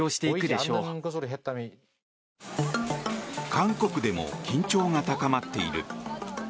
韓国でも緊張が高まっている。